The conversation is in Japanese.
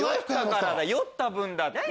酔った分だって！